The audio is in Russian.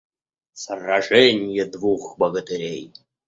Сраженье двух богатырей!